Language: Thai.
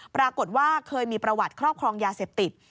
ปรากฏว่าเคยมีประวัติครอบครองยาเสพติด